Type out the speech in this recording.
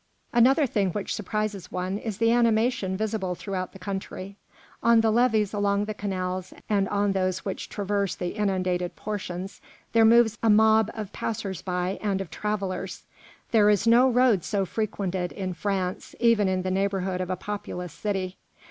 Another thing which surprises one is the animation visible throughout the country. On the levees along the canals and on those which traverse the inundated portions, there moves a mob of passers by and of travellers. There is no road so frequented in France, even in the neighbourhood of a populous city.